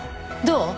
どう？